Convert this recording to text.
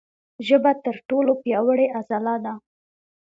ژبه تر ټولو پیاوړې عضله ده.